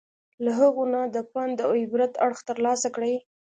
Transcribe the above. له هغو نه د پند او عبرت اړخ ترلاسه کړي.